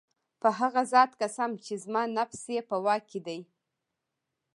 په هغه ذات قسم چي زما نفس ئې په واك كي دی